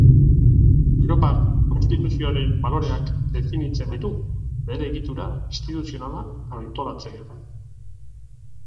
Europar konstituzioaren baloreak definitzen ditu, bere egitura instituzionala antolatzen du.